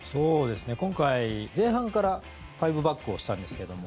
今回、前半から５バックをしたんですけども。